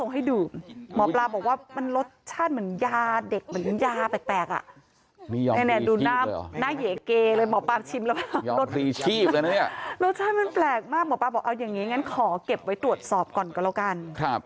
หมอบางบอกเอาอย่างงี้อย่างนี้ขอเก็บไว้ตรวจสอบก่อนก็แล้วกัน